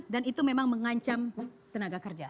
dan itu memang mengancam tenaga kerja